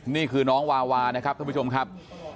นี่คือน้องวาวานะครับท่านผู้ชมครับ